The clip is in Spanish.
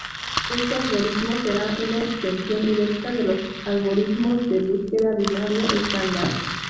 Este algoritmo será una extensión directa de los algoritmos de búsqueda binaria estándar.